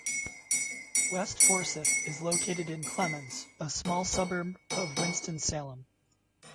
West Forsyth is located in Clemmons, a small suburb of Winston-Salem.